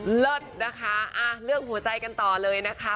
เลิศนะคะเรื่องหัวใจกันต่อเลยนะคะ